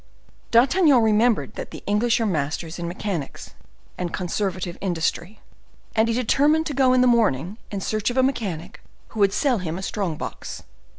D'Artagnan remembered that the English are masters in mechanics and conservative industry; and he determined to go in the morning in search of a mechanic who would sell him a strong box.